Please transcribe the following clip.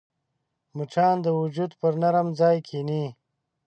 مچان د وجود پر نرم ځای کښېني